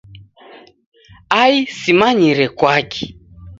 Ai Simanyire kwaki.